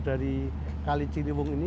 dari kalijirimung ini